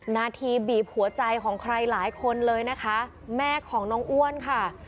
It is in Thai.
นาทีบีบหัวใจของใครหลายคนเลยนะคะแม่ของน้องอ้วนค่ะ